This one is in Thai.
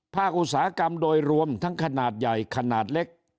อุตสาหกรรมโดยรวมทั้งขนาดใหญ่ขนาดเล็ก